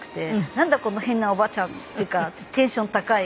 なんだこの変なおばちゃんっていうかテンション高い。